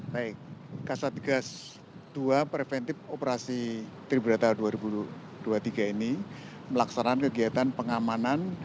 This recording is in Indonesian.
baik kasatgas ii preventif operasi triburata dua ribu dua puluh tiga ini melaksanakan kegiatan pengamanan